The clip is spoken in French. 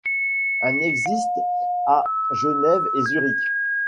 Un existe à Genève et Zurich.